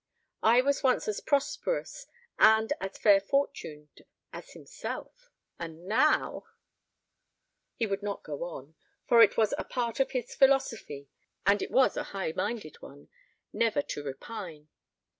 I was once as prosperous and as fair fortuned as himself, and now " He would not go on, for it was a part of his philosophy and it was a high minded one never to repine.